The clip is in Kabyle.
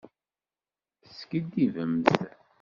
Teskiddibemt.